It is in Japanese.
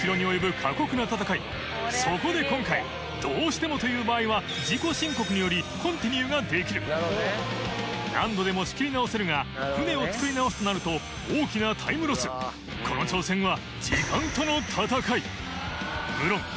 そこで今回どうしてもという場合は自己申告によりコンティニューができる何度でも仕切り直せるが舟を作り直すとなると大きなタイムロスこの挑戦は時間との戦い無論